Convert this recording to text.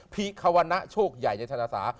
ประวณะโชคใหญ่ธนศษา